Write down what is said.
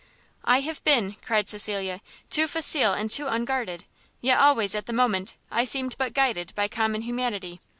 "I have been," cried Cecilia, "too facile and too unguarded; yet always, at the moment, I seemed but guided by common humanity.